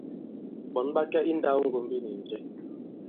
Ɓɔ̌n ɓa kɛ i nndāwŋgombi nì njɛ ?